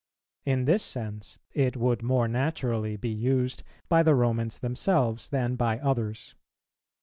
In this sense it would more naturally be used by the Romans themselves than by others.